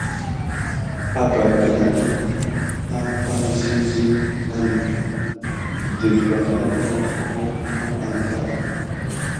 Aba gǝla namǝ, ah pan zin zin nanǝ, digga nadan nampumo ǝnka.